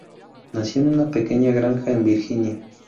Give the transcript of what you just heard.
Nació en una pequeña granja en Virginia.